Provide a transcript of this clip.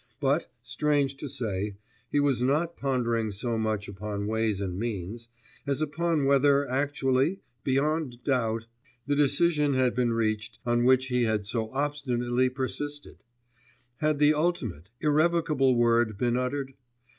But, strange to say, he was not pondering so much upon ways and means as upon whether actually, beyond doubt, the decision had been reached on which he had so obstinately insisted? Had the ultimate, irrevocable word been uttered?